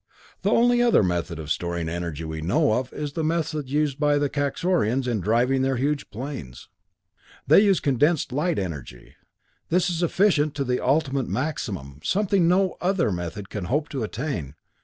The only other method of storing energy we know of is the method used by the Kaxorians in driving their huge planes. "They use condensed light energy. This is efficient to the ultimate maximum, something no other method can hope to attain.